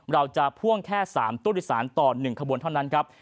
พ่วงแค่๓ตู้โดยสารต่อ๑ขบวนเท่านั้นครับ